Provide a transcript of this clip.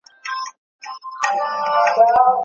د وېروس له امله ډېری نړیوالې الوتنې او سفرونه ودرول شول.